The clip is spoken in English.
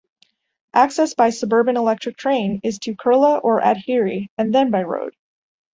Access by suburban electric train is to Kurla or Andheri and then by road.